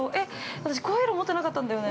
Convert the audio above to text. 私、こういう色持ってなかったんだよね。